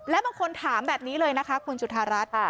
และบางคนถามแบบนี้เลยนะคะคุณจุธารัฐ